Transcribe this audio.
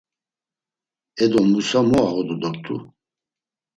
Edo Musa mu ağodu dort̆u?